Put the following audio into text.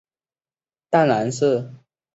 淡蓝色表示为非联播时间播放本地节目。